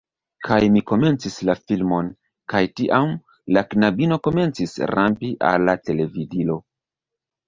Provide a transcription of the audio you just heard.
Kaj mi komencis la filmon, kaj tiam, la knabino komencis rampi al la televidilo.